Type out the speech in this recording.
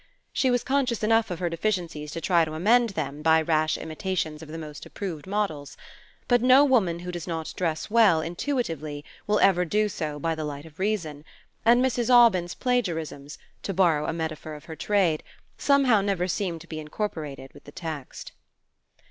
She was conscious enough of her deficiencies to try to amend them by rash imitations of the most approved models; but no woman who does not dress well intuitively will ever do so by the light of reason, and Mrs. Aubyn's plagiarisms, to borrow a metaphor of her trade, somehow never seemed to be incorporated with the text.